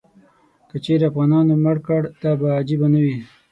که چیرې افغانانو مړ کړ، دا به عجیبه نه وي.